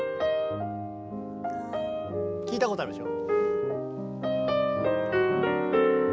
聞いたことあるでしょ。